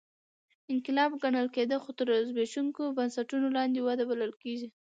انقلاب ګڼل کېده خو تر زبېښونکو بنسټونو لاندې وده بلل کېږي